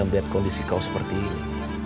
melihat kondisi kau seperti ini